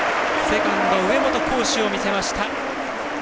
セカンド、上本攻守を見せました！